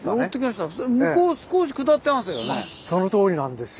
そのとおりなんですよ。